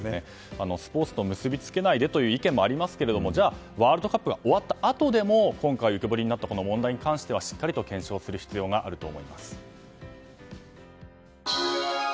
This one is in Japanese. スポーツと結びつけないでという意見もありますがじゃあ、ワールドカップが終わったあとでも今回浮き彫りになったこの問題に関してはしっかりと検証する必要があると思います。